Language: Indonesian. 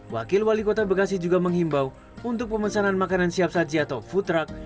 wakil wali kota bekasi juga menghimbau untuk pemesanan makanan siap saji atau food truck